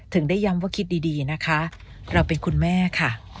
ถึงได้ย้ำว่าคิดดีนะคะเราเป็นคุณแม่ค่ะ